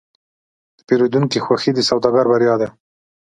د پیرودونکي خوښي د سوداګر بریا ده.